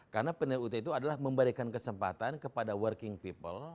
karena penelitian ut itu adalah memberikan kesempatan kepada working people